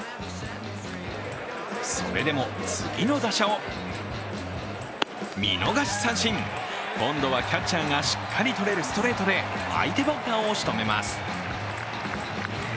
それでも、次の打者を見逃し三振、今度はキャッチャーがしっかり取れるストレートで相手バッターをしとめます。